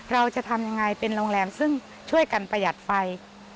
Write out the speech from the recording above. เราจะทำยังไงเป็นโรงแรมซึ่งช่วยกันประหยัดไฟ